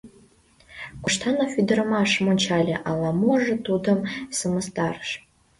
Коштанов ӱдырамашым ончале — ала-можо тудым сымыстарыш.